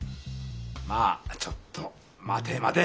まぁちょっと待て待て。